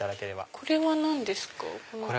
これは何ですか？